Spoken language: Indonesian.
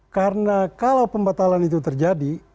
karena kalau pembatalan itu terjadi